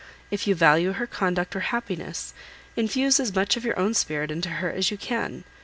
If you value her conduct or happiness, infuse as much of your own spirit into her as you can.